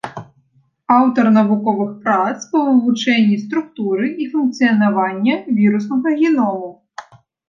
Аўтар навуковых прац па вывучэнні структуры і функцыянавання віруснага геному.